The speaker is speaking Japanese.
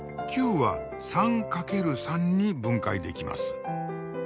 ９は３×３に分解できます。